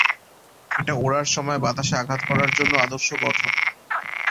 এটা ওড়ার সময়ে বাতাসে আঘাত করার জন্য আদর্শ গঠন।